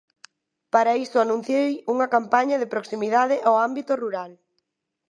Para iso anunciei unha campaña de proximidade ao ámbito rural.